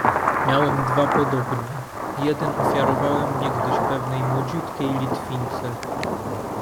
"Miałem dwa podobne, jeden ofiarowałem niegdyś pewnej młodziutkiej Litwince."